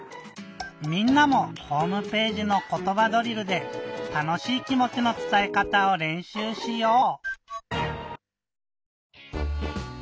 みんなもホームページの「ことばドリル」でたのしい気もちのつたえかたをれんしゅうしよう！